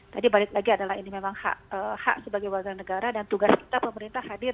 tadi balik lagi adalah ini memang hak sebagai warga negara dan tugas kita pemerintah hadir